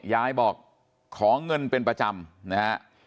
ยายบอกขอเงินเป็นประจำนะฮะ